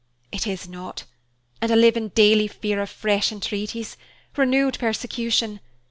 It is not, and I live in daily fear of fresh entreaties, renewed persecution.